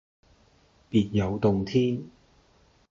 別有洞天